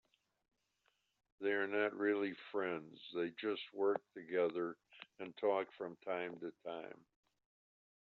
They are not really friends, they just work together and talk from time to time.